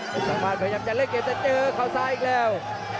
เวทาวาดพยายามจะเร่งเกมจะเจอข้าวซ้ายอีกแล้ว